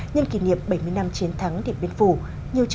nhân kỷ niệm bảy mươi năm chiến thắng điện biên phủ